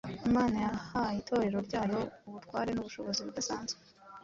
Imana yahaye Itorero ryayo ubutware n’ubushobozi bidasanzwe.